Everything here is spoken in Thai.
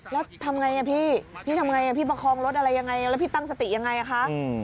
แล้วทำไงพี่พี่ทำไงพี่ประคองรถอะไรยังไงแล้วพี่ตั้งสติยังไงคะ